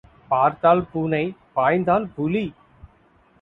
பார்த்தால் பூனை பாய்ந்தால் புலி.